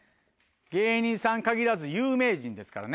芸人さん限らず有名人ですからね。